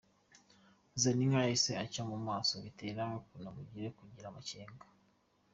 Zaninka yahise acya mu maso bitera Kanamugire kugira amakenga.